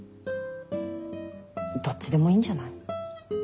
どっちでもいいんじゃない？